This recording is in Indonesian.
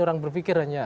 orang berpikir hanya